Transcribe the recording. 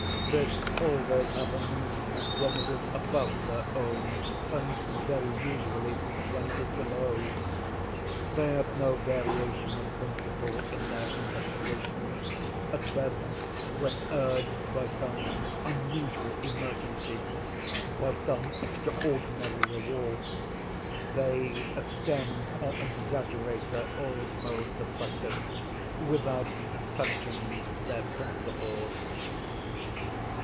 This always happens when it is above their own, and very usually when it is below. They have no variation of principle in their investigations; at best, when urged by some unusual emergency—by some extraordinary reward—they extend or exaggerate their old modes of practice, without touching their principles.